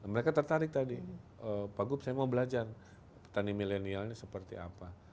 mereka tertarik tadi pak gu saya mau belajar petani milenialnya seperti apa